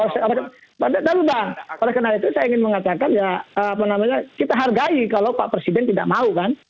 saya mau mengatakan ya apa namanya kita hargai kalau pak presiden tidak mau kan